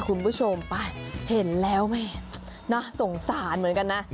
คุณผู้ชมไปเห็นแล้วแม่น่าสงสารเหมือนกันนะ